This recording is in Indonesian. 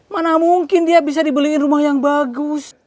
mana mungkin dia bisa dibeliin rumah yang bagus